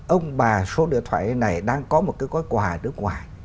ông bà số điện thoại này đang có một cái gói quà ở nước ngoài